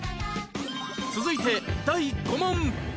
続いて第５問